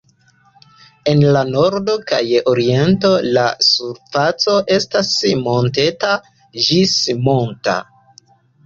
En la nordo kaj oriento la surfaco estas monteta ĝis monta.